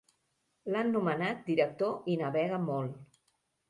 L'han nomenat director i navega molt.